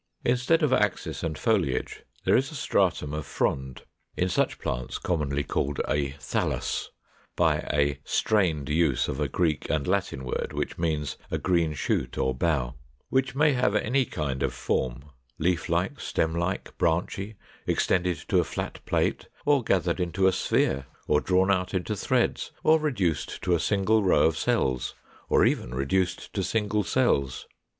Instead of axis and foliage, there is a stratum of frond, in such plants commonly called a THALLUS (by a strained use of a Greek and Latin word which means a green shoot or bough), which may have any kind of form, leaf like, stem like, branchy, extended to a flat plate, or gathered into a sphere, or drawn out into threads, or reduced to a single row of cells, or even reduced to single cells.